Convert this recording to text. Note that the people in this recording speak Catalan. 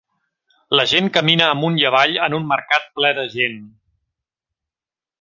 La gent camina amunt i avall en un mercat ple de gent.